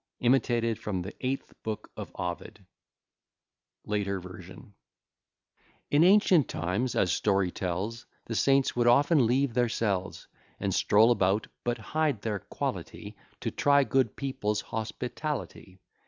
IMITATED FROM THE EIGHTH BOOK OF OVID In ancient times, as story tells, The saints would often leave their cells, And stroll about, but hide their quality, To try good people's hospitality.